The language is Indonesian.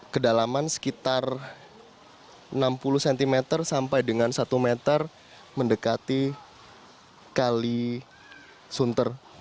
kedalaman sekitar enam puluh cm sampai dengan satu meter mendekati kali sunter